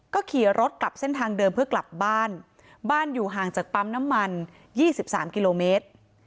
ก็ขี่รถกลับเส้นทางเดิมเพื่อกลับบ้านบ้านอยู่ห่างจากปั๊มน้ำมัน๒๓กิโลเมตร